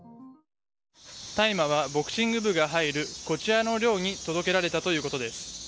大麻は、ボクシング部が入るこちらの寮に届けられたということです。